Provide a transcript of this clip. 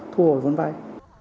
thu hồi vấn vay